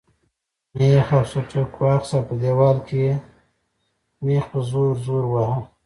مېخ او سټک واخیست او په دیوال کې یې مېخ په زور زور واهه.